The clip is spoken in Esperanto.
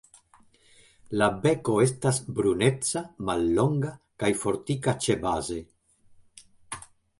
La beko estas bruneca, mallonga kaj fortika ĉebaze.